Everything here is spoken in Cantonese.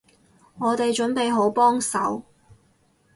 我哋準備好幫手